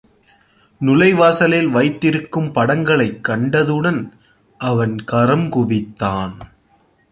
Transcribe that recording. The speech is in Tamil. நுழைவாசலில் வைத்திருந்த படங்களைக் கண்டதும் அவன் கரங்குவித்தான்.